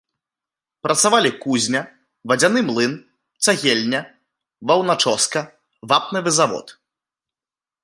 Працавалі кузня, вадзяны млын, цагельня, ваўначоска, вапнавы завод.